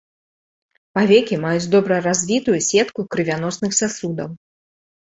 Павекі маюць добра развітую сетку крывяносных сасудаў.